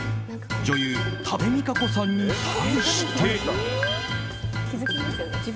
女優・多部未華子さんに対して。